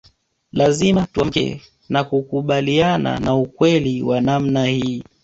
Lazima tuamke na kukubaliana na ukweli wa namna hii